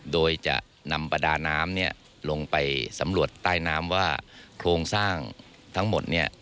โดยจะนำประดาน้ำลงไปสำรวจใต้น้ำว่าโครงสร้างทั้งหมดเนี่ย